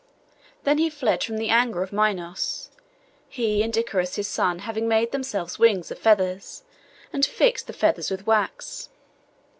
Then he fled from the anger of Minos, he and Icaros his son having made themselves wings of feathers, and fixed the feathers with wax.